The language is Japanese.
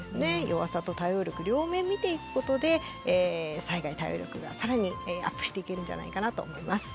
弱さと対応力両面見ていくことで災害対応力が更にアップしていけるんじゃないかなと思います。